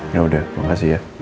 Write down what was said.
yaudah makasih ya